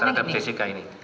terhadap jessica ini